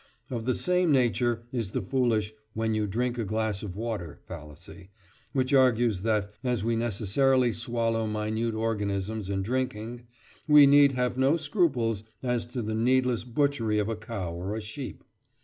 Of the same nature is the foolish "when you drink a glass of water" fallacy, which argues that, as we necessarily swallow minute organisms in drinking, we need have no scruples as to the needless butchery of a cow or a sheep.